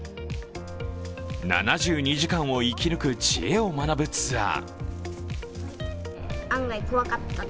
７２時間を生き抜く知恵を学ぶツアー。